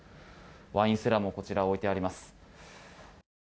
ワインセラーも置いてあります。